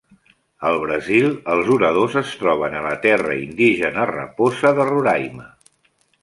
Al Brasil, els oradors es troben a la Terra Indígena Raposa de Roraima.